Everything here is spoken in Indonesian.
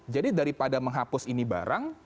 jadi daripada menghapus ini barang